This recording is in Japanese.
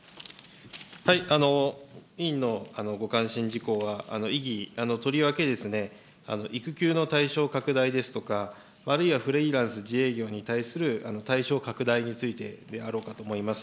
委員のご関心事項は、意義、とりわけ育休の対象拡大ですとか、あるいはフリーランス、自営業に対する対象拡大についてであろうかと思います。